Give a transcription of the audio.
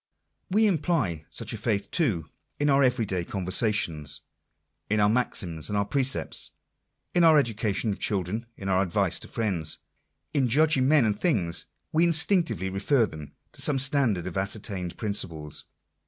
We imply such a faith, too, in our every day conversations; in our maxims and precepts, in our education of children, in our advice to friends. In judging men and things we instinctively refer them to some standard of ascertained principles.